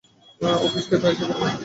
Office cab এসে পড়বে।